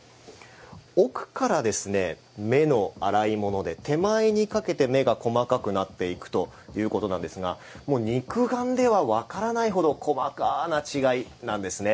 奥から、目の粗いもので手前にかけて目が細かくなっていくということなんですが肉眼では分からないほど細かな違いなんですね。